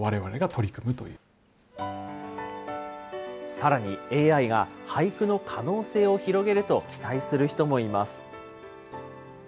さらに、ＡＩが俳句の可能性を広げると期待する人もいます。